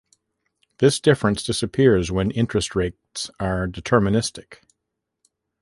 This difference disappears when interest rates are deterministic.